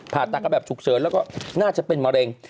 ผ่าตัดกันแบบฉุกเฉินแล้วก็น่าจะเป็นมะเร็ง